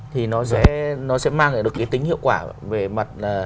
thì nó sẽ mang lại được cái tính hiệu quả